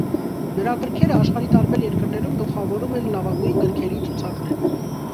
Նրա գրքերը աշխարհի տարբեր երկրներում գլխավորում են լավագույն գրքերի ցուցակները։